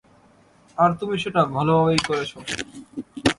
আর তুমি সেটা ভালোভাবেই করেছো।